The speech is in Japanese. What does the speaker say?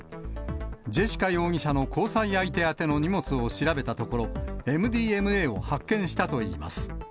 ジェシカ容疑者の交際相手宛ての荷物を調べたところ、ＭＤＭＡを発見したといいます。